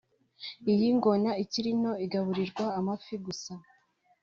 Iyi ngona ikiri nto igaburibwa amafi gusa